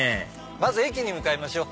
まず駅に向かいましょう。